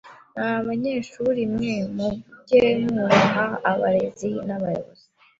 Mwa banyeshuri mwe muge mwubaha abarezi n’abayobozi.